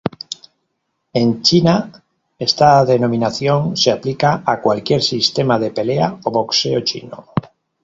En China, esta denominación se aplica a cualquier sistema de pelea o boxeo chino.